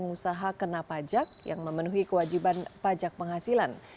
pengusaha kena pajak yang memenuhi kewajiban pajak penghasilan